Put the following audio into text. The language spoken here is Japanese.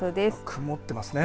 曇っていますね。